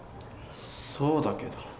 そうだけど。